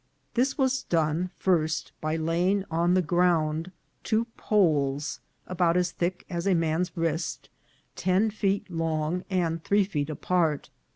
This was done, first, by laying on the ground two poles about as thick as a man's wrist, ten feet long and three feet apart.